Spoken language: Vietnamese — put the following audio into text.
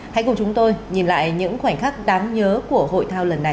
hãy cùng chúng tôi nhìn lại những khoảnh khắc đáng nhớ của hội thao lần này